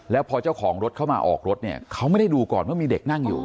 แล้วพอเจ้าของรถเข้ามาออกรถเนี่ยเขาไม่ได้ดูก่อนว่ามีเด็กนั่งอยู่